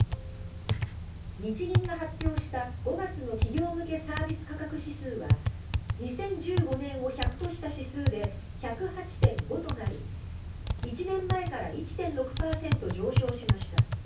日銀が発表した５月の企業向けサービス価格指数は２０１５年を１００とした指数で１０８．５となり１年前から１．６％上昇しました。